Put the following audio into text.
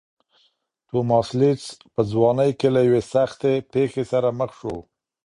توماس لېډز په ځوانۍ کې له یوې سختې پېښې سره مخ شو.